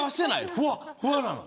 ふわふわなの。